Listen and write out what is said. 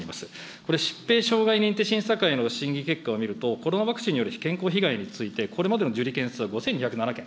これ、疾病障害認定審査会の審議結果を見ると、コロナワクチンによる健康被害について、これまでの受理件数５２０７件。